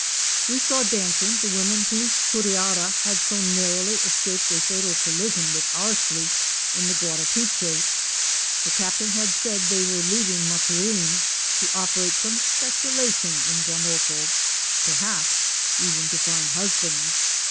We saw dancing the women whose curiara had so narrowly escaped a fatal collision with our sloop in the Guarapiche. The Captain had said they were leaving Maturin ''to operate some speculation in Guanoco — perhaps even to find hus bands."